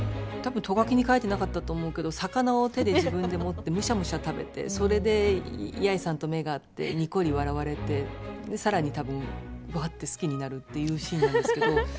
たぶんト書きに書いてなかったと思うけど、魚を手で自分で持ってむしゃむしゃ食べてそれで八重さんと目が合ってにこり笑われて、さらにたぶんわって好きになるっていうシーンなんですけど。